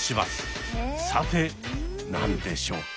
さて何でしょうか？